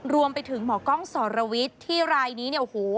รวมไปถึงหมอกล้องสรวิทย์ที่รายนี้เนี่ยโอ้โห